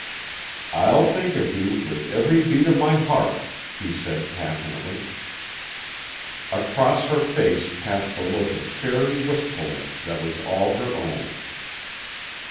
"I'll think of you with every beat of my heart," he said passionately. Across her face passed the look of fairy wistfulness that was all her own.